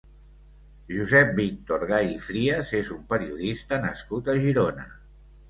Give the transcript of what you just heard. Josep Víctor Gay i Frías és un periodista nascut a Girona.